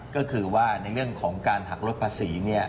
ก็คือว่าในเรื่องของการหักลดภาษี